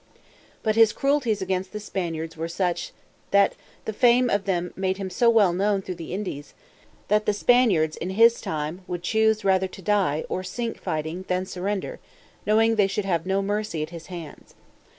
But his cruelties against the Spaniards were such, that the fame of them made him so well known through the Indies, that the Spaniards, in his time, would choose rather to die, or sink fighting, than surrender, knowing they should have no mercy at his hands.